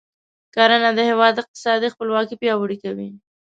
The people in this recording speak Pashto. کرنه د هیواد اقتصادي خپلواکي پیاوړې کوي.